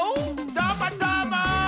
どーもどーも！